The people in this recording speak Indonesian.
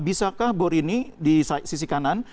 bisakah borini di sisi kanan